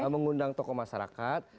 mengundang tokoh masyarakat